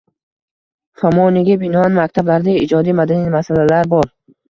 Famoniga binoan maktablarda ijodiy-madaniy masalalar bor.